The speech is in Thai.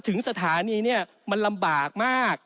ถึงสถานีเนี่ยมันลำบากมาก